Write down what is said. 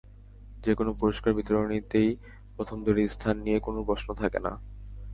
যেকোনো পুরস্কার বিতরণীতেই প্রথম দুটি স্থান নিয়ে কোনো প্রশ্ন থাকে না।